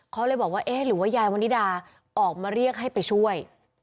เขาเลยบอกว่าเอ๊ะหรือว่ายายวันนิดาออกมาเรียกให้ไปช่วย